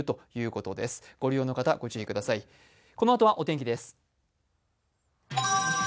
このあとはお天気です。